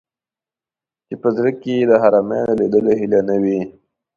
چې په زړه کې یې د حرمینو لیدلو هیله نه وي.